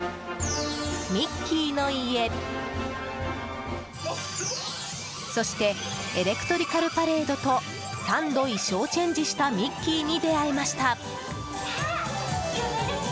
この日、取材の中で夕方のパレードとミッキーの家そしてエレクトリカルパレードと３度、衣装チェンジしたミッキーに出会えました。